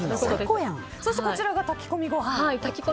そしてこちらが炊き込みご飯。